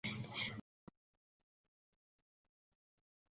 Bona afero estis farita.